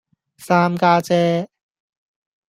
三家姐